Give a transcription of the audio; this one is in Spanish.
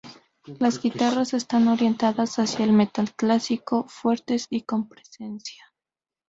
Las guitarras están orientadas hacia el metal clásico: fuertes y con presencia.